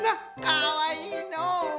かわいいのう！